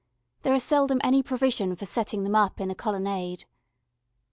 There is seldom any provision for setting them up in a colonnade.